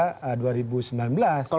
kalau pesan pesan moral